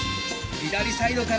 左サイドから。